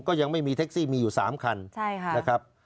ก็ยังไม่มีแท็กซี่มีอยู่๓คันนะครับ